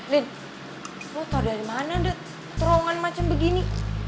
lid lo tau dari mana ada terowongan macam begini